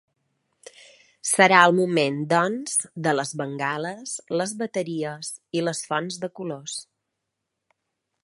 Serà el moment, doncs, de les bengales, les bateries i les fonts de colors.